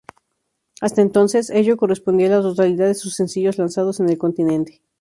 Hasta entonces, ello correspondía a la totalidad de sus sencillos lanzados en el continente.